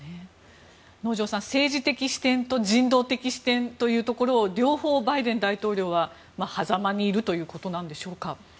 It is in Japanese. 能條さん人道的支援というところを両方、バイデン大統領ははざまにいるということなんでしょうか。